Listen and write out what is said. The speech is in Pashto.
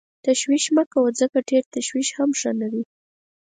تشویش مه کوه ځکه ډېر تشویش هم ښه نه دی.